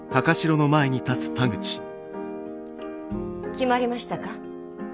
決まりましたか？